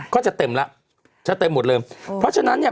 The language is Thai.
ก็จะเต็มแล้วจะเต็มหมดเลยเพราะฉะนั้นเนี่ย